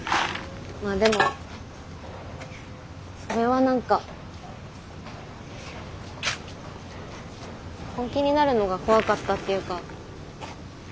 まあでもそれは何か本気になるのが怖かったっていうか。